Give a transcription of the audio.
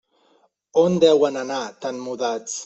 On deuen anar tan mudats.